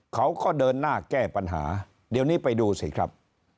เขาก็เดินหน้าแก้ปัญหาเดี๋ยวนี้ไปดูสิครับ